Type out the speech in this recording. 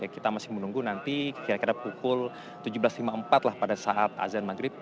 kita masih menunggu nanti kira kira pukul tujuh belas lima puluh empat lah pada saat azan maghrib